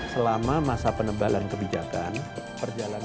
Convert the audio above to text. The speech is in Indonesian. selama masa penebalan kebijakan perjalanan